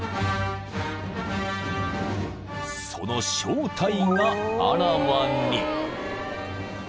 ［その正体があらわに］